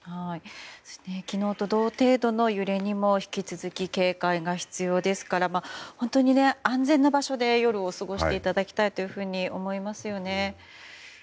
昨日と同程度の揺れにも引き続き警戒が必要ですから本当に、安全な場所で夜を過ごしていただきたいと思います。